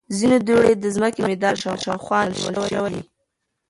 ځینې دوړې د ځمکې مدار شاوخوا نیول شوې وي.